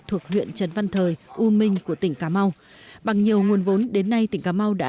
thuộc huyện trần văn thời u minh của tỉnh cà mau bằng nhiều nguồn vốn đến nay tỉnh cà mau đã